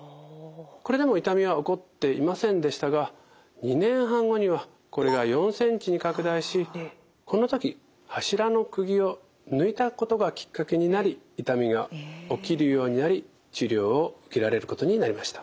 これでも痛みは起こっていませんでしたが２年半後にはこれが４ｃｍに拡大しこの時柱のくぎを抜いたことがきっかけになり痛みが起きるようになり治療を受けられることになりました。